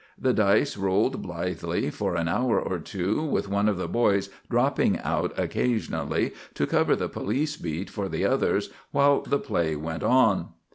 The dice rolled blithely for an hour or two with one of the boys dropping out occasionally to "cover" the police beat for the others while the play went on.